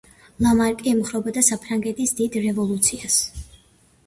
ლამარკი ემხრობოდა საფრანგეთის დიდ რევოლუციას.